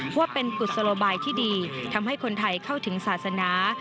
ว่าเป็นกุศโลบายที่ดีทำให้คนไทยเข้าถึงศาสนา